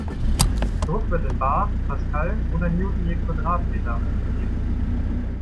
Druck wird in bar, Pascal oder Newton je Quadratmeter angegeben.